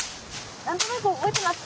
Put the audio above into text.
何となく覚えてます。